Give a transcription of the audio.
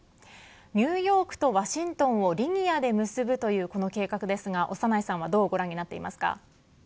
ニューヨークとワシントンをリニアで結ぶというこの計画ですが長内さんはどうご覧になっていますか。